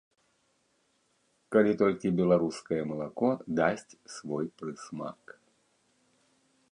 Калі толькі беларускае малако дасць свой прысмак.